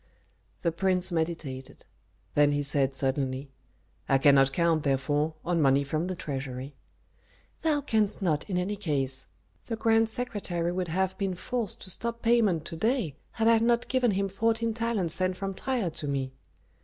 The prince meditated; then he said suddenly, "I cannot count, therefore, on money from the treasury." "Thou canst not in any case. The grand secretary would have been forced to stop payment to day had I not given him fourteen talents sent from Tyre to me."